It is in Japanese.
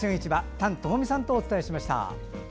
丹友美さんとお伝えしました。